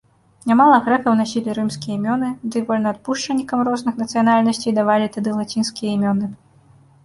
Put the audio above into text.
Нямала грэкаў насілі рымскія імёны, дый вольнаадпушчанікам розных нацыянальнасцей давалі тады лацінскія імёны.